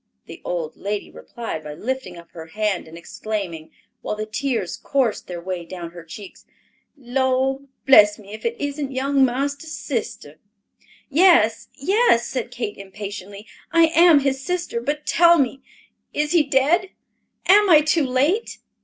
The old lady replied by lifting up her hand and exclaiming, while the tears coursed their way down her cheeks, "Lord bless me if it isn't young marster's sister." "Yes, yes," said Kate impatiently, "I am his sister. But tell me, is he dead? Am I too late?"